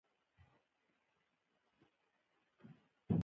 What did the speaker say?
چار مغز د افغانستان د ملي هویت یوه نښه ده.